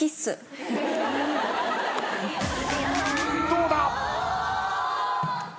どうだ？